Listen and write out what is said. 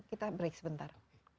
kita break sebentar